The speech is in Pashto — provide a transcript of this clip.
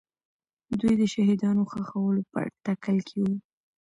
دوی د شهیدانو ښخولو په تکل کې وو.